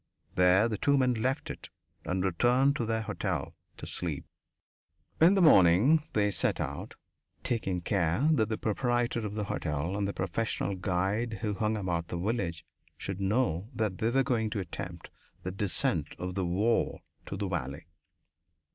There the two men left it and returned to their hotel to sleep. In the morning they set out, taking care that the proprietor of the hotel and the professional guide who hung about the village should know that they were going to attempt the descent of the "wall" to the valley.